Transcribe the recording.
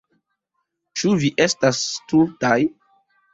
Ĉu vi estas stultaj?